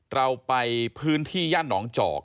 เราไปพื้นที่ย่านหนองจอก